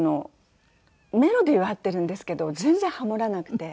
メロディーは合っているんですけど全然ハモらなくて。